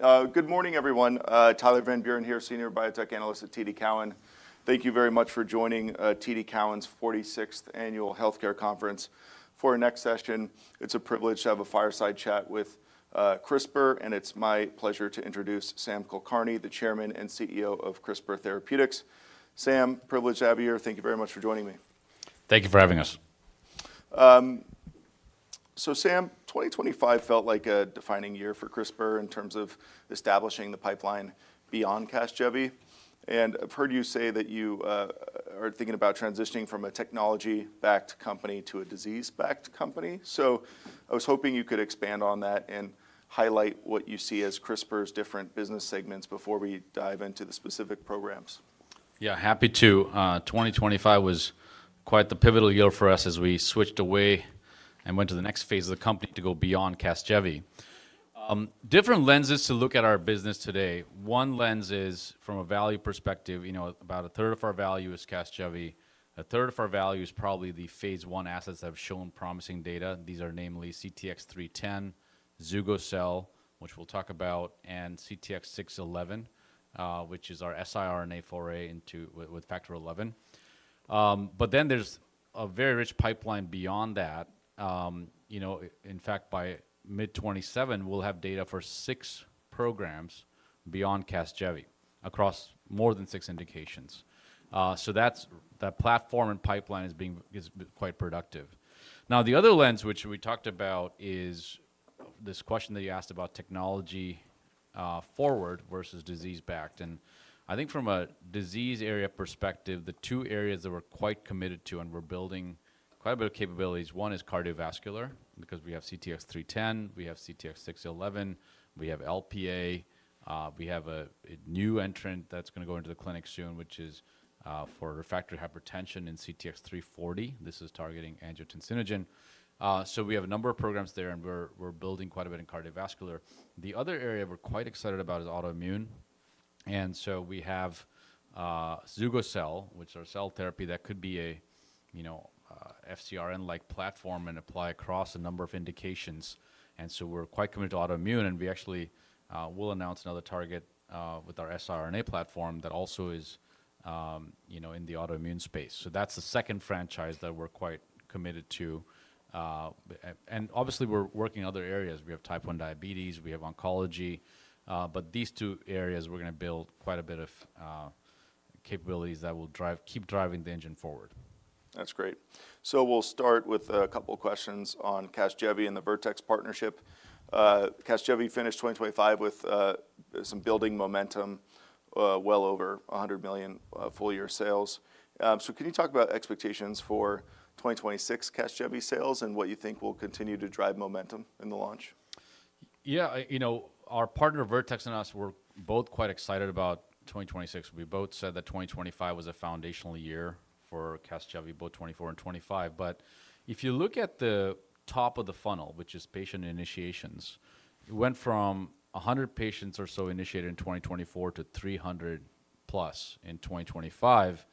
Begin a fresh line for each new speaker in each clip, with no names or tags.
Good morning, everyone. Tyler Van Buren here, Senior Biotech Analyst at TD Cowen. Thank you very much for joining TD Cowen's 46th Annual Healthcare Conference. For our next session, it's a privilege to have a fireside chat with CRISPR, and it's my pleasure to introduce Samarth Kulkarni, the Chairman and CEO of CRISPR Therapeutics. Sam, privilege to have you here. Thank you very much for joining me.
Thank you for having us.
Sam, 2025 felt like a defining year for CRISPR in terms of establishing the pipeline beyond Casgevy. I've heard you say that you are thinking about transitioning from a technology-backed company to a disease-backed company. I was hoping you could expand on that and highlight what you see as CRISPR's different business segments before we dive into the specific programs.
Happy to. 2025 was quite the pivotal year for us as we switched away and went to the next phase of the company to go beyond Casgevy. Different lenses to look at our business today. One lens is from a value perspective, you know, about a third of our value is Casgevy, a third of our value is probably the phase 1 assets that have shown promising data. These are namely CTX310, CTX320, which we'll talk about, and CTX611, which is our siRNA foray with Factor XI. Then there's a very rich pipeline beyond that. You know, in fact, by mid 2027, we'll have data for six programs beyond Casgevy across more than six indications. That platform and pipeline is quite productive. The other lens which we talked about is this question that you asked about technology, forward versus disease backed. I think from a disease area perspective, the two areas that we're quite committed to and we're building quite a bit of capabilities, one is cardiovascular, because we have CTX310, we have CTX611, we have LPA, we have a new entrant that's gonna go into the clinic soon, which is for refractory hypertension in CTX340. This is targeting angiotensinogen. We have a number of programs there, and we're building quite a bit in cardiovascular. The other area we're quite excited about is autoimmune. We have CTX320, which are cell therapy that could be a, you know, FcRn-like platform and apply across a number of indications. We're quite committed to autoimmune, and we actually, will announce another target, with our siRNA platform that also is, you know, in the autoimmune space. That's the second franchise that we're quite committed to. Obviously, we're working other areas. We have Type One diabetes, we have oncology, these two areas we're gonna build quite a bit of capabilities that will keep driving the engine forward.
That's great. We'll start with a couple questions on Casgevy and the Vertex partnership. Casgevy finished 2025 with some building momentum, well over $100 million of full year sales. Can you talk about expectations for 2026 Casgevy sales and what you think will continue to drive momentum in the launch?
Yeah. You know, our partner, Vertex, and us were both quite excited about 2026. We both said that 2025 was a foundational year for Casgevy, both 2024 and 2025. If you look at the top of the funnel, which is patient initiations, it went from 100 patients or so initiated in 2024 to 300+ in 2025,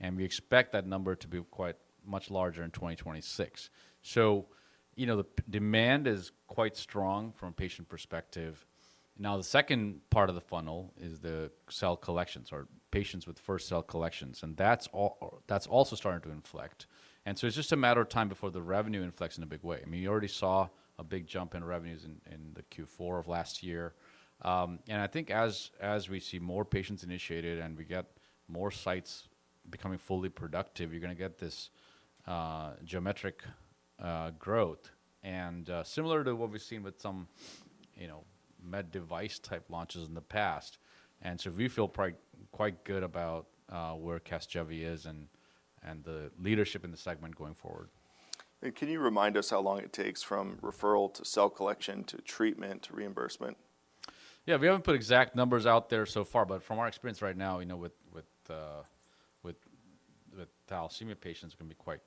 and we expect that number to be quite much larger in 2026. You know, the demand is quite strong from a patient perspective. Now, the second part of the funnel is the cell collections, or patients with first cell collections, and that's also starting to inflect. It's just a matter of time before the revenue inflects in a big way. I mean, you already saw a big jump in revenues in the Q4 of last year. I think as we see more patients initiated and we get more sites becoming fully productive, you're gonna get this geometric growth, and similar to what we've seen with some, you know, med device type launches in the past. We feel quite good about where Casgevy is and the leadership in the segment going forward.
Can you remind us how long it takes from referral to cell collection to treatment to reimbursement?
Yeah. We haven't put exact numbers out there so far, but from our experience right now, you know, with thalassemia patients, it can be quite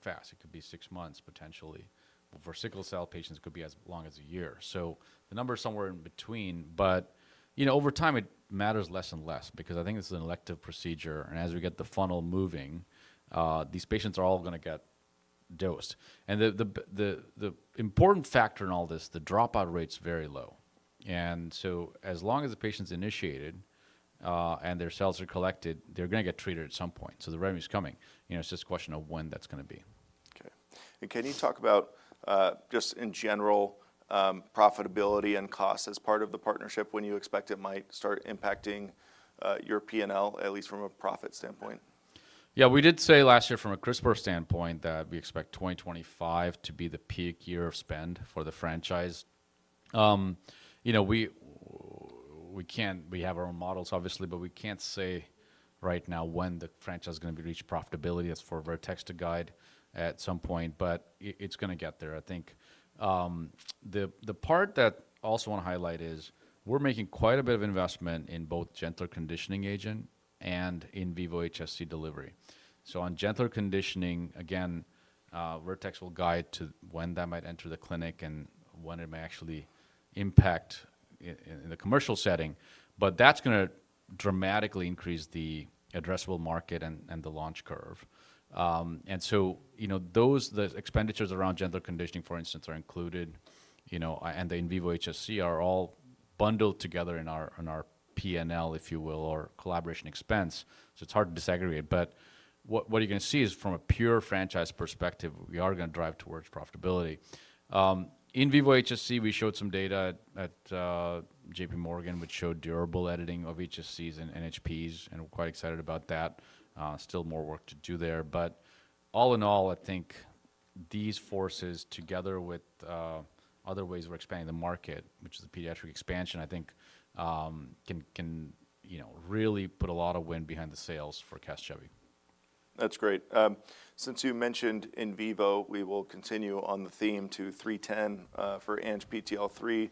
fast. It could be six months, potentially. For sickle cell patients, it could be as long as a year. The number is somewhere in between. You know, over time, it matters less and less because I think this is an elective procedure, and as we get the funnel moving, these patients are all gonna get dosed. The important factor in all this, the dropout rate's very low. As long as the patient's initiated, and their cells are collected, they're gonna get treated at some point. The revenue's coming, you know, it's just a question of when that's gonna be.
Okay. Can you talk about, just in general, profitability and cost as part of the partnership, when you expect it might start impacting, your P&L, at least from a profit standpoint?
Yeah. We did say last year from a CRISPR standpoint that we expect 2025 to be the peak year of spend for the franchise. You know, we have our own models, obviously, but we can't say right now when the franchise is gonna reach profitability. That's for Vertex to guide at some point, but it's gonna get there, I think. The part that I also wanna highlight is we're making quite a bit of investment in both gentler conditioning agent and in vivo HSC delivery. On gentler conditioning, again, Vertex will guide to when that might enter the clinic and when it may actually impact in the commercial setting. That's gonna dramatically increase the addressable market and the launch curve. You know, the expenditures around gene editing, for instance, are included, you know, and the in vivo HSC are all bundled together in our P&L, if you will, or collaboration expense, so it's hard to disaggregate. What you're gonna see is from a pure franchise perspective, we are gonna drive towards profitability. In vivo HSC, we showed some data at JP Morgan, which showed durable editing of HSCs and NHPs, and we're quite excited about that. Still more work to do there. All in all, I think these forces, together with other ways we're expanding the market, which is the pediatric expansion, I think, can, you know, really put a lot of wind behind the sails for Casgevy.
That's great. Since you mentioned in vivo, we will continue on the theme to CTX310 for ANGPTL3.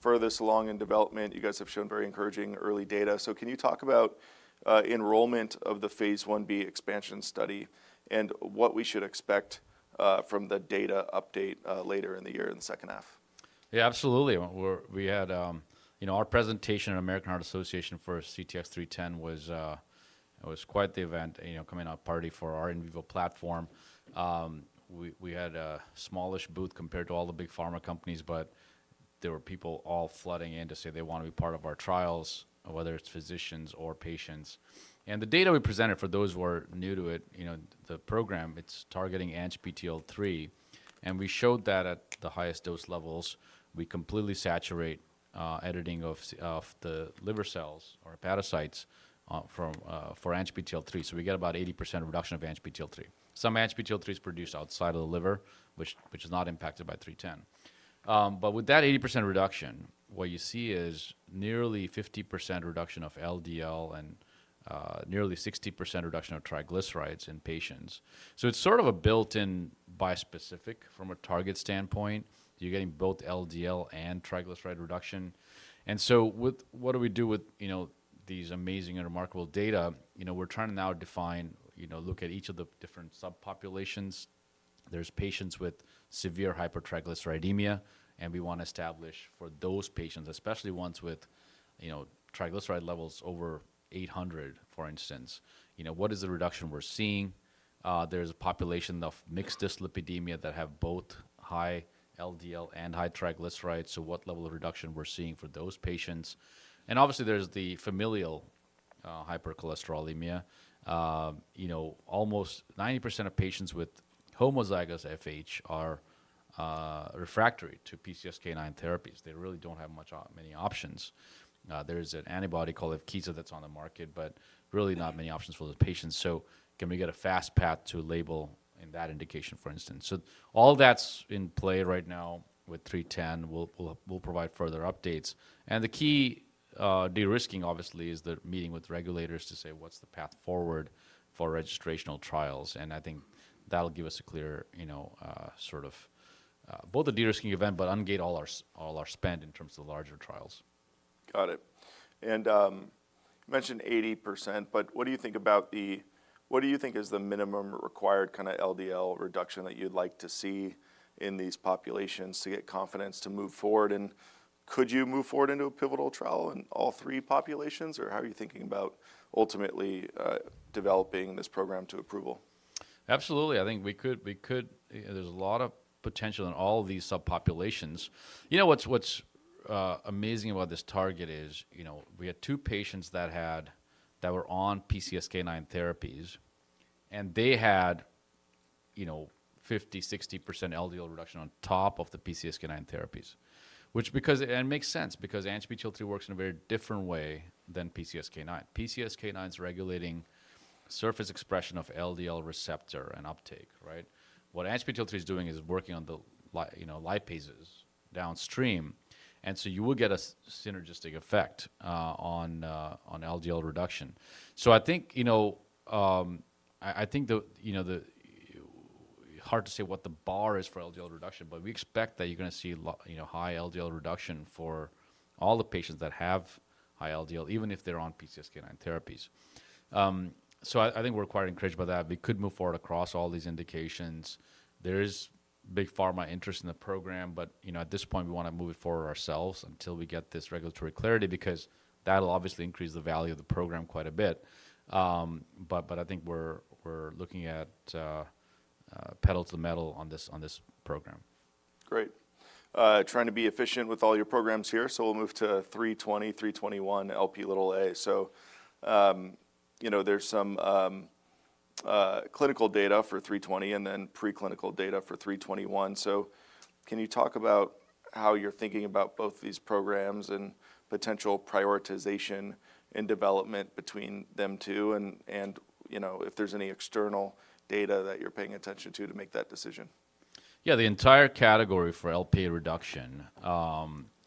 Furthest along in development, you guys have shown very encouraging early data. Can you talk about enrollment of the phase 1b expansion study and what we should expect from the data update later in the year in the second half?
Yeah, absolutely. We had, you know, our presentation at American Heart Association for CTX310 was quite the event, you know, coming out party for our in vivo platform. We had a smallish booth compared to all the big pharma companies, there were people all flooding in to say they wanna be part of our trials, whether it's physicians or patients. The data we presented, for those who are new to it, you know, the program, it's targeting ANGPTL3, we showed that at the highest dose levels, we completely saturate editing of the liver cells or hepatocytes for ANGPTL3. We get about 80% reduction of ANGPTL3. Some ANGPTL3 is produced outside of the liver, which is not impacted by 310. With that 80% reduction, what you see is nearly 50% reduction of LDL and nearly 60% reduction of triglycerides in patients. It's sort of a built-in bispecific from a target standpoint. You're getting both LDL and triglyceride reduction. What do we do with, you know, these amazing and remarkable data? You know, we're trying to now define, you know, look at each of the different subpopulations. There's patients with severe hypertriglyceridemia, and we wanna establish for those patients, especially ones with, you know, triglyceride levels over 800, for instance. You know, what is the reduction we're seeing? There's a population of mixed dyslipidemia that have both high LDL and high triglycerides, so what level of reduction we're seeing for those patients. Obviously, there's the familial hypercholesterolemia. You know, almost 90% of patients with homozygous FH are refractory to PCSK9 therapies. They really don't have many options. There's an antibody called Leqvio that's on the market, but really not many options for the patients. Can we get a fast path to a label in that indication, for instance? All that's in play right now with CTX310. We'll provide further updates. The key de-risking obviously is the meeting with regulators to say, what's the path forward for registrational trials? I think that'll give us a clear, you know, sort of, both a de-risking event, but ungate all our spend in terms of larger trials.
Got it. You mentioned 80%, but what do you think is the minimum required kinda LDL reduction that you'd like to see in these populations to get confidence to move forward? Could you move forward into a pivotal trial in all three populations, or how are you thinking about ultimately developing this program to approval?
Absolutely. I think we could. There's a lot of potential in all these subpopulations. You know, what's amazing about this target is, you know, we had two patients that were on PCSK9 therapies, and they had, you know, 50%-60% LDL reduction on top of the PCSK9 therapies. And it makes sense because ANGPTL3 works in a very different way than PCSK9. PCSK9 is regulating surface expression of LDL receptor and uptake, right? What ANGPTL3 is doing is working on the you know, lipases downstream, and so you will get a synergistic effect on LDL reduction. I think, you know, I think the, you know, the... Hard to say what the bar is for LDL reduction, but we expect that you're gonna see you know, high LDL reduction for all the patients that have high LDL, even if they're on PCSK9 therapies. I think we're quite encouraged by that. We could move forward across all these indications. There is big pharma interest in the program, you know, at this point, we wanna move it forward ourselves until we get this regulatory clarity because that'll obviously increase the value of the program quite a bit. I think we're looking at pedal to the metal on this program.
Great. Trying to be efficient with all your programs here, so we'll move to CTX320, CTX321 Lp(a). You know, there's some clinical data for CTX320 and then preclinical data for CTX321. Can you talk about how you're thinking about both these programs and potential prioritization and development between them two and, you know, if there's any external data that you're paying attention to make that decision?
Yeah. The entire category for Lp reduction,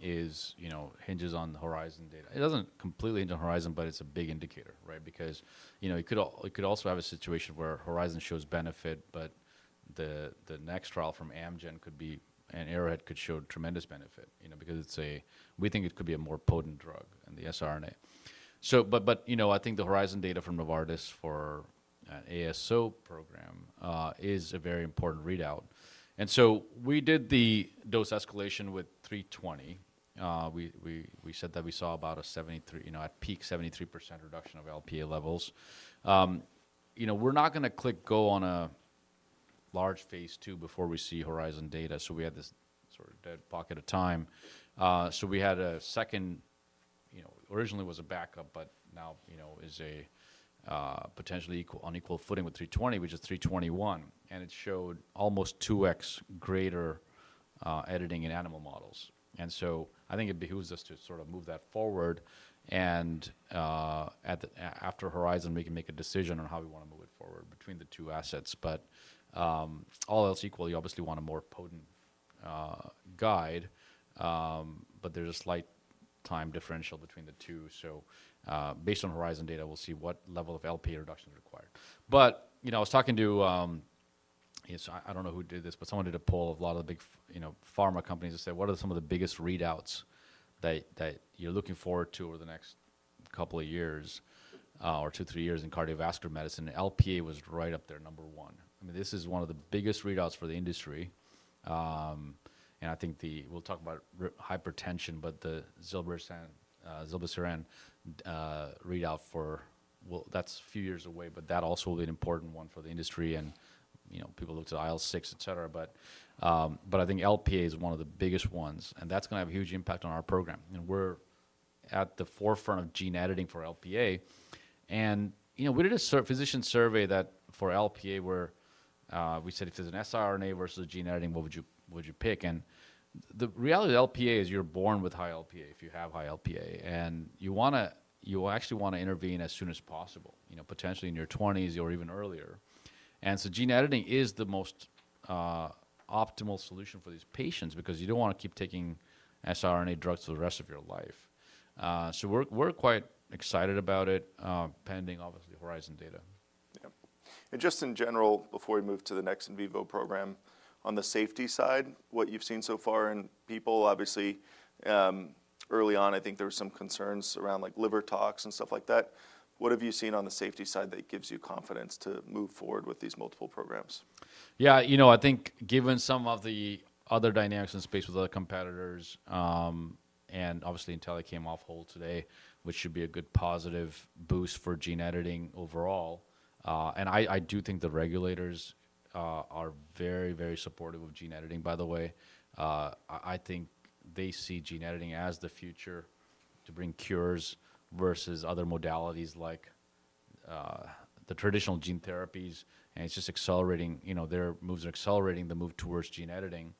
you know, hinges on the HORIZON data. It doesn't completely hinge on HORIZON, but it's a big indicator, right? Because, you know, it could also have a situation where HORIZON shows benefit, but the next trial from Amgen could be, and Eralt could show tremendous benefit, you know, because it's a we think it could be a more potent drug than the siRNA. But, you know, I think the HORIZON data from Novartis for the ASO program is a very important readout. We did the dose escalation with 320. We said that we saw about a 73%, you know, at peak, 73% reduction of Lp levels. you know, we're not gonna click go on a large Phase II before we see HORIZON data. We had this sort of dead pocket of time. We had a second, you know, originally was a backup, but now, you know, is a potentially equal on equal footing with CTX320, which is CTX321, and it showed almost 2x greater editing in animal models. I think it behooves us to sort of move that forward and after HORIZON, we can make a decision on how we wanna move it forward between the two assets. All else equal, you obviously want a more potent guide, but there's a slight time differential between the two. Based on HORIZON data, we'll see what level of Lp(a) reduction is required. you know, I was talking to, yes, I don't know who did this, but someone did a poll of a lot of the big you know, pharma companies and said, "What are some of the biggest readouts that you're looking forward to over the next couple of years, or 2-3 years in cardiovascular medicine?" Lp(a) was right up there, number one. I mean, this is one of the biggest readouts for the industry, and I think the we'll talk about hypertension, but the Zilebesiran readout for... Well, that's a few years away, but that also will be an important one for the industry and, you know, people look to IL-6, et cetera. I think Lp(a) is one of the biggest ones, and that's gonna have a huge impact on our program. You know, we're at the forefront of gene editing for Lp(a). You know, we did a physician survey that for Lp(a) where we said, "If there's an siRNA versus gene editing, what would you pick?" The reality of Lp(a) is you're born with high Lp(a) if you have high Lp(a), and you actually wanna intervene as soon as possible, you know, potentially in your 20s or even earlier. Gene editing is the most optimal solution for these patients because you don't wanna keep taking siRNA drugs for the rest of your life. We're quite excited about it, pending obviously HORIZON data.
Yeah. Just in general, before we move to the next in vivo program, on the safety side, what you've seen so far in people, obviously, early on, I think there were some concerns around like liver tox and stuff like that. What have you seen on the safety side that gives you confidence to move forward with these multiple programs?
Yeah. You know, I think given some of the other dynamics in the space with other competitors, and obviously Intellia came off hold today, which should be a good positive boost for gene editing overall. I do think the regulators are very, very supportive of gene editing. By the way, I think they see gene editing as the future to bring cures versus other modalities like the traditional gene therapies, it's just accelerating, you know, their moves are accelerating the move towards gene editing.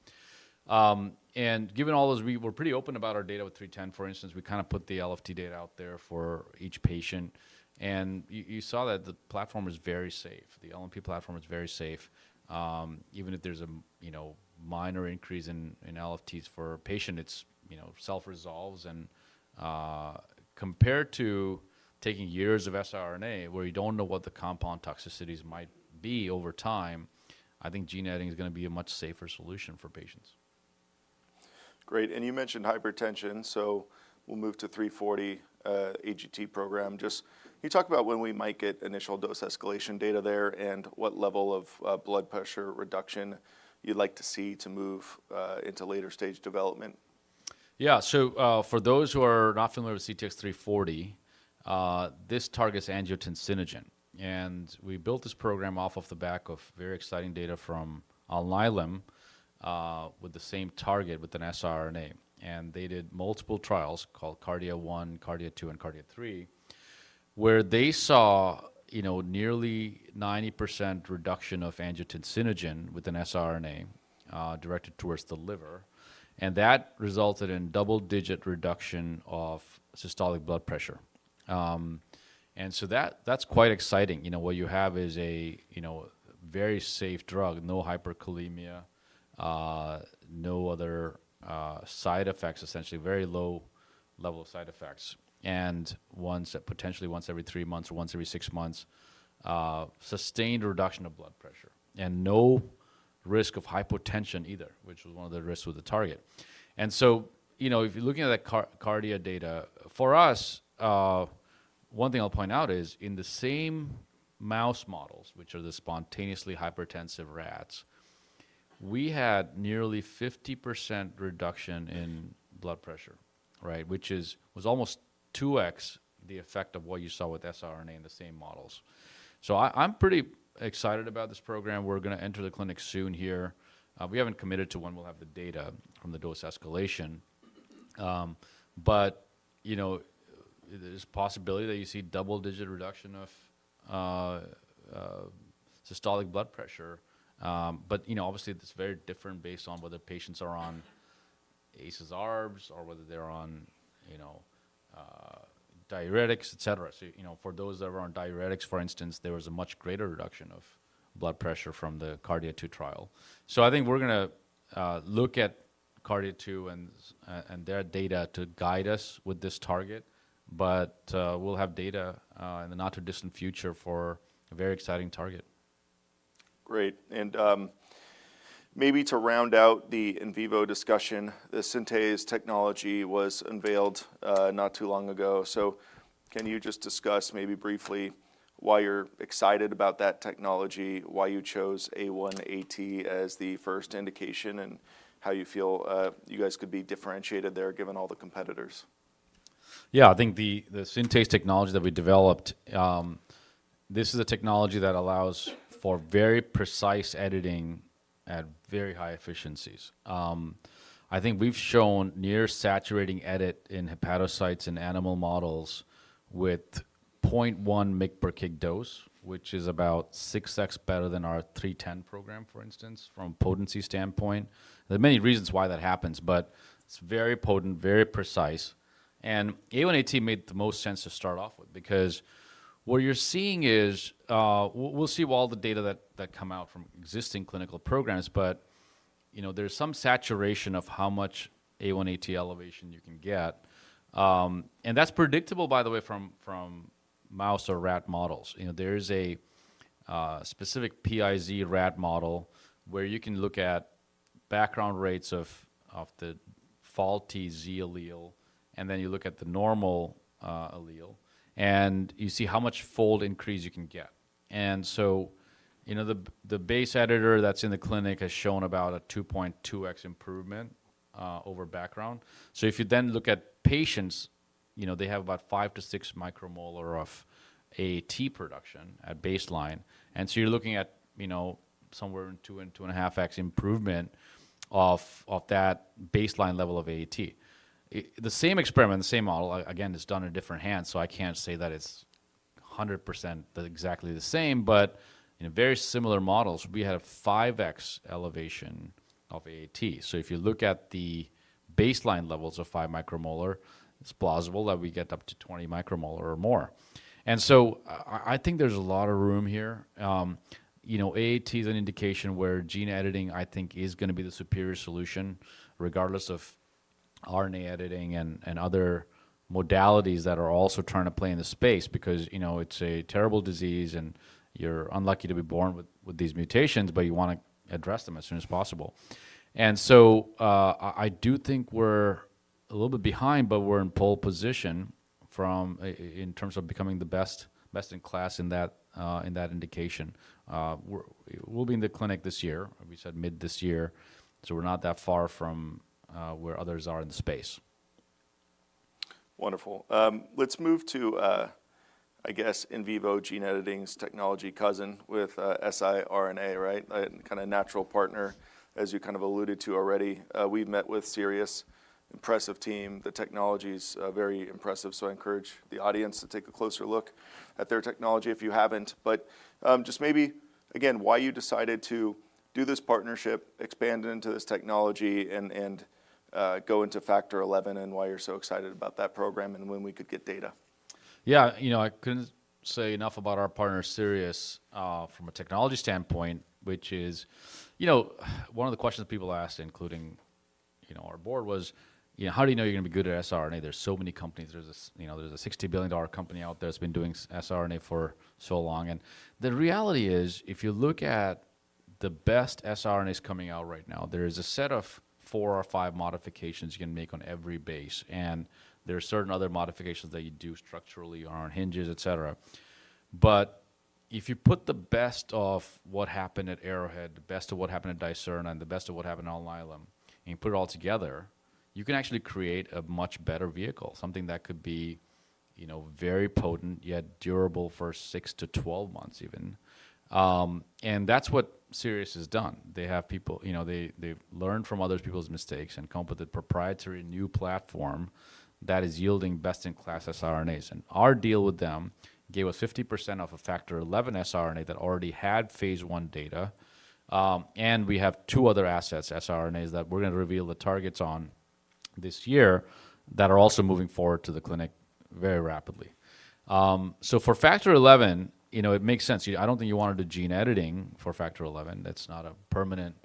Given all those, we were pretty open about our data with CTX310, for instance. We kinda put the LFT data out there for each patient, you saw that the platform is very safe. The LNP platform is very safe. Even if there's a, you know, minor increase in LFTs for a patient, it's, you know, self-resolves. Compared to taking years of siRNA, where you don't know what the compound toxicities might be over time, I think gene editing is gonna be a much safer solution for patients.
Great. You mentioned hypertension, we'll move to CTX340 AGT program. Just can you talk about when we might get initial dose escalation data there, and what level of blood pressure reduction you'd like to see to move into later stage development?
For those who are not familiar with CTX340, this targets angiotensinogen. We built this program off of the back of very exciting data from Alnylam with the same target with an siRNA. They did multiple trials called KARDIA-1, KARDIA-2, and KARDIA-3, where they saw, you know, nearly 90% reduction of angiotensinogen with an siRNA directed towards the liver, and that resulted in double-digit reduction of systolic blood pressure. That's quite exciting. You know, what you have is a, you know, very safe drug, no hyperkalemia, no other side effects, essentially very low level of side effects, and potentially once every three months or once every 6 months, sustained reduction of blood pressure and no risk of hypotension either, which was one of the risks with the target. You know, if you're looking at that KARDIA data, for us, one thing I'll point out is in the same mouse models, which are the spontaneously hypertensive rats, we had nearly 50% reduction in blood pressure, right? Which was almost 2x the effect of what you saw with siRNA in the same models. I'm pretty excited about this program. We're gonna enter the clinic soon here. We haven't committed to when we'll have the data from the dose escalation. You know, there's possibility that you see double-digit reduction of systolic blood pressure. You know, obviously, it's very different based on whether patients are on ACEs ARBs or whether they're on, you know, diuretics, et cetera. You know, for those that were on diuretics, for instance, there was a much greater reduction of blood pressure from the KARDIA 2 trial. I think we're gonna look at KARDIA 2 and their data to guide us with this target. We'll have data in the not-too-distant future for a very exciting target.
Great. Maybe to round out the in vivo discussion, the SyNTase technology was unveiled not too long ago. Can you just discuss maybe briefly why you're excited about that technology, why you chose A1AT as the first indication, and how you feel you guys could be differentiated there given all the competitors?
Yeah, I think the SyNTase technology that we developed, this is a technology that allows for very precise editing at very high efficiencies. I think we've shown near saturating edit in hepatocytes in animal models with 0.1 mg per kg dose, which is about 6x better than our CTX310 program, for instance, from potency standpoint. There are many reasons why that happens, but it's very potent, very precise. A1AT made the most sense to start off with because what you're seeing is, we'll see all the data that come out from existing clinical programs, but, you know, there's some saturation of how much A1AT elevation you can get. That's predictable, by the way, from mouse or rat models. You know, there is a specific PIZ rat model where you can look at background rates of the faulty Z allele, and then you look at the normal allele, and you see how much fold increase you can get. You know, the base editor that's in the clinic has shown about a 2.2x improvement over background. If you then look at patients, you know, they have about five to six micromolar of AAT production at baseline. You're looking at, you know, somewhere in 2 and 2.5x improvement of that baseline level of AAT. The same experiment, the same model, again, it's done in different hands, so I can't say that it's 100% exactly the same, but in very similar models, we had a 5x elevation of AAT. If you look at the baseline levels of 5 micromolar, it's plausible that we get up to 20 micromolar or more. I think there's a lot of room here. you know, AAT is an indication where gene editing, I think, is gonna be the superior solution regardless of RNA editing and other modalities that are also trying to play in the space because, you know, it's a terrible disease and you're unlucky to be born with these mutations, but you wanna address them as soon as possible. I do think we're a little bit behind, but we're in pole position in terms of becoming the best in class in that indication. We'll be in the clinic this year, we said mid this year, so we're not that far from where others are in the space.
Wonderful. Let's move to, I guess, in vivo gene editing's technology cousin with siRNA, right? A kind of natural partner, as you kind of alluded to already. We've met with Sirius, impressive team. The technology's very impressive, so I encourage the audience to take a closer look at their technology if you haven't. Just maybe, again, why you decided to do this partnership, expand into this technology and go into Factor XI and why you're so excited about that program, and when we could get data.
Yeah, you know, I couldn't say enough about our partner, Sirius, from a technology standpoint. You know, one of the questions people ask, including, you know, our board, was, you know, "How do you know you're gonna be good at siRNA? There's so many companies. There's this, you know, there's a $60 billion company out there that's been doing siRNA for so long." The reality is, if you look at the best siRNAs coming out right now, there is a set of four or five modifications you can make on every base, and there are certain other modifications that you do structurally around hinges, et cetera. If you put the best of what happened at Arrowhead, the best of what happened at Dicerna, and the best of what happened at Alnylam, and you put it all together, you can actually create a much better vehicle, something that could be, you know, very potent, yet durable for 6 to 12 months even. That's what Sirius has done. You know, they've learned from other people's mistakes and come up with a proprietary new platform that is yielding best in class siRNAs. Our deal with them gave us 50% of a Factor XI siRNA that already had Phase I data, and we have two other assets, siRNAs, that we're gonna reveal the targets on this year that are also moving forward to the clinic very rapidly. For Factor XI, you know, it makes sense. I don't think you wanna do gene editing for Factor XI. That's not a permanent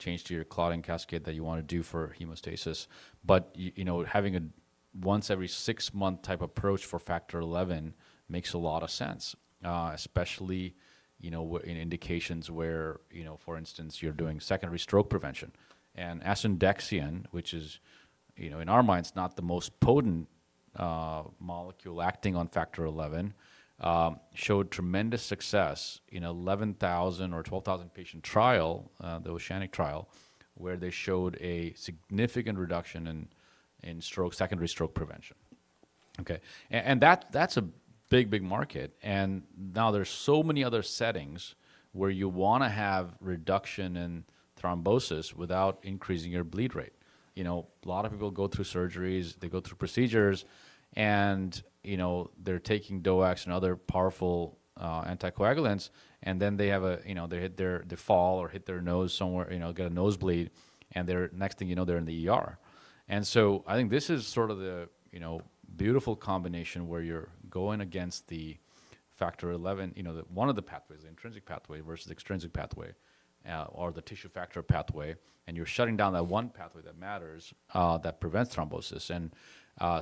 change to your clotting cascade that you wanna do for hemostasis. You know, having a once every 6 month type approach for Factor XI makes a lot of sense, especially, you know, in indications where, you know, for instance, you're doing secondary stroke prevention. Asundexian, which is, you know, in our minds not the most potent molecule acting on Factor XI, showed tremendous success in 11,000 or 12,000 patient trial, the OCEANIC trial, where they showed a significant reduction in stroke, secondary stroke prevention. Okay. That's a big, big market. Now there's so many other settings where you wanna have reduction in thrombosis without increasing your bleed rate. You know, a lot of people go through surgeries, they go through procedures, and, you know, they're taking DOACs and other powerful anticoagulants, and then they have a, you know, they fall or hit their nose somewhere, you know, get a nosebleed, and next thing you know, they're in the ER. I think this is sort of the, you know, beautiful combination where you're going against the Factor XI, you know, the one of the pathways, the intrinsic pathway versus the extrinsic pathway, or the tissue factor pathway, and you're shutting down that one pathway that matters that prevents thrombosis.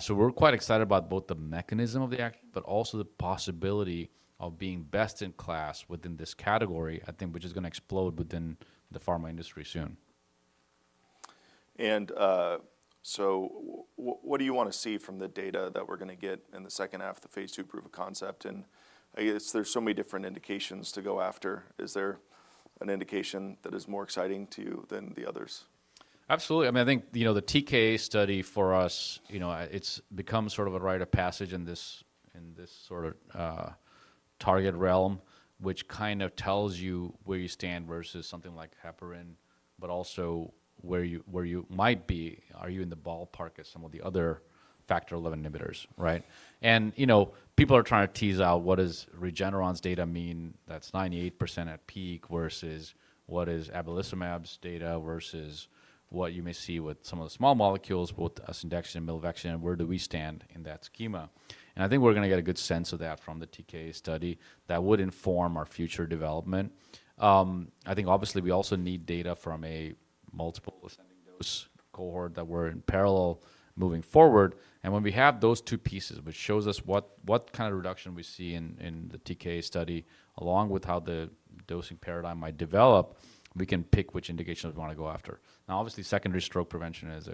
So we're quite excited about both the mechanism of the action, but also the possibility of being best in class within this category, I think, which is gonna explode within the pharma industry soon.
What do you wanna see from the data that we're gonna get in the second half of the Phase II proof of concept? I guess there's so many different indications to go after. Is there an indication that is more exciting to you than the others?
Absolutely. I mean, I think, you know, the TK study for us, you know, it's become sort of a rite of passage in this, in this sort of, target realm, which kind of tells you where you stand versus something like heparin, but also where you might be. Are you in the ballpark as some of the other Factor XI inhibitors, right? You know, people are trying to tease out what does Regeneron's data mean that's 98% at peak versus what is Abelacimab's data versus what you may see with some of the small molecules, both Asundexian and Milvexian, and where do we stand in that schema. I think we're gonna get a good sense of that from the TK study that would inform our future development. I think obviously we also need data from a multiple ascending dose cohort that we're in parallel moving forward. When we have those two pieces, which shows us what kind of reduction we see in the TK study, along with how the dosing paradigm might develop, we can pick which indications we wanna go after. Now, obviously, secondary stroke prevention is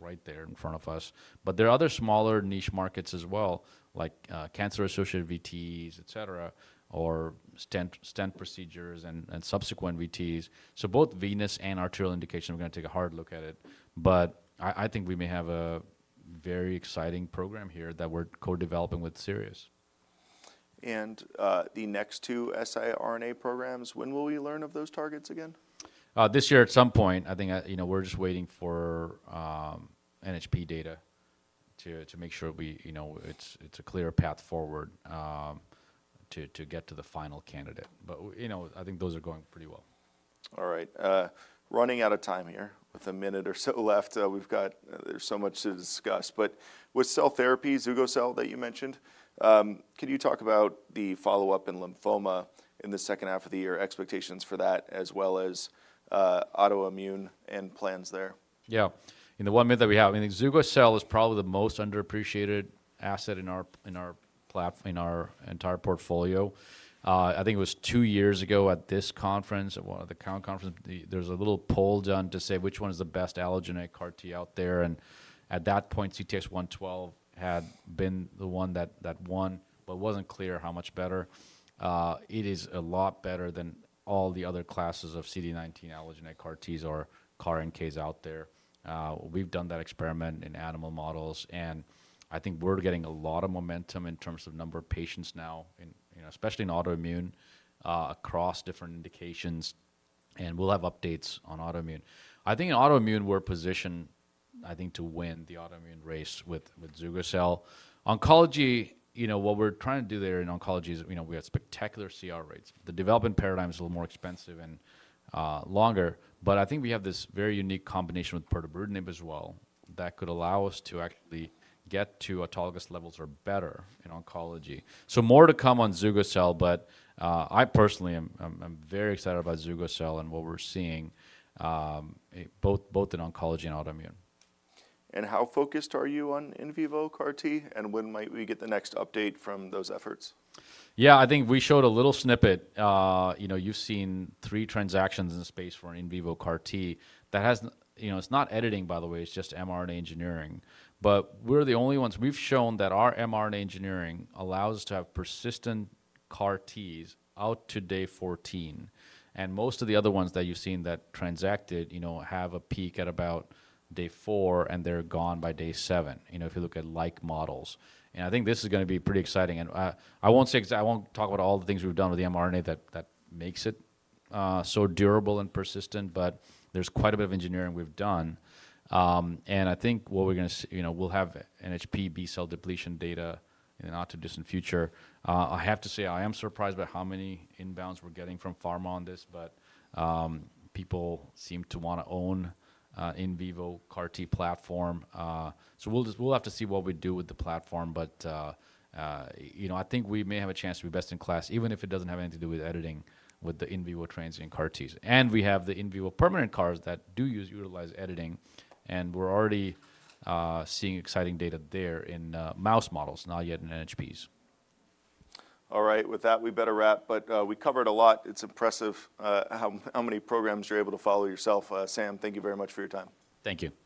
right there in front of us, but there are other smaller niche markets as well, like cancer-associated VTEs, et cetera, or stent procedures and subsequent VTEs. Both venous and arterial indication, we're gonna take a hard look at it, but I think we may have a very exciting program here that we're co-developing with Sirius.
The next two siRNA programs, when will we learn of those targets again?
This year at some point. I think, you know, we're just waiting for NHP data to make sure you know, it's a clear path forward to get to the final candidate. You know, I think those are going pretty well.
All right. Running out of time here. With one minute or so left, there's so much to discuss. With cell therapy, zugo-cel that you mentioned, could you talk about the follow-up in lymphoma in the second half of the year, expectations for that, as well as, autoimmune and plans there?
Yeah. In the one minute that we have, I think zugo-cel is probably the most underappreciated asset in our entire portfolio. I think it was two years ago at this conference or one of the Cowen conference, there was a little poll done to say which one is the best allogeneic CAR T out there, and at that point, CTX112 had been the one that won, but it wasn't clear how much better. It is a lot better than all the other classes of CD19 allogeneic CAR Ts or CAR NK out there. We've done that experiment in animal models, and I think we're getting a lot of momentum in terms of number of patients now in, you know, especially in autoimmune across different indications, and we'll have updates on autoimmune. I think in autoimmune, we're positioned, I think, to win the autoimmune race with zugo-cel. Oncology, you know, what we're trying to do there in oncology is, you know, we have spectacular CR rates. The development paradigm is a little more expensive and longer, but I think we have this very unique combination with pembrolizumab as well that could allow us to actually get to autologous levels or better in oncology. More to come on zugo-cel, but I personally I'm very excited about zugo-cel and what we're seeing both in oncology and autoimmune.
How focused are you on in vivo CAR T, and when might we get the next update from those efforts?
Yeah. I think we showed a little snippet. you know, you've seen three transactions in the space for an in vivo CAR T that hasn't... You know, it's not editing, by the way, it's just mRNA engineering. We're the only ones. We've shown that our mRNA engineering allows to have persistent CAR Ts out to day 14. Most of the other ones that you've seen that transacted, you know, have a peak at about day four, and they're gone by day seven, you know, if you look at like models. I think this is gonna be pretty exciting. I won't talk about all the things we've done with the mRNA that makes it so durable and persistent, but there's quite a bit of engineering we've done. I think what we're gonna you know, we'll have NHP B-cell depletion data in the not-too-distant future. I have to say, I am surprised by how many inbounds we're getting from pharma on this. People seem to wanna own in vivo CAR T platform. We'll have to see what we do with the platform. You know, I think we may have a chance to be best in class, even if it doesn't have anything to do with editing with the in vivo transient CAR Ts. We have the in vivo permanent CARs that do utilize editing, and we're already seeing exciting data there in mouse models, not yet in NHPs.
All right. With that, we better wrap. We covered a lot. It's impressive, how many programs you're able to follow yourself. Sam, thank you very much for your time.
Thank you.